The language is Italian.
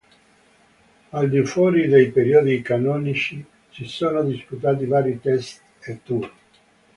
Al di fuori dei periodi canonici, si sono disputati vari test e tour.